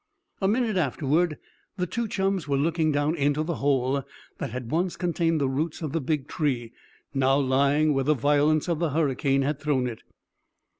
A minute afterward the two chums were looking down into the hole that had once contained the roots of the big tree, now lying where the violence of the hurricane had thrown it.